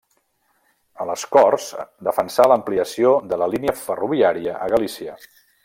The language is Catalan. A les Corts defensà l'ampliació de la línia ferroviària a Galícia.